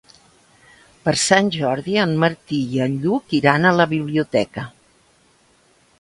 Per Sant Jordi en Martí i en Lluc iran a la biblioteca.